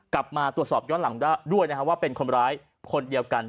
กลับมาตรวจสอบย้อนหลังด้วยนะครับว่าเป็นคนร้ายคนเดียวกัน